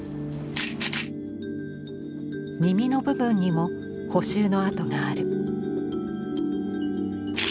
耳の部分にも補修の跡がある。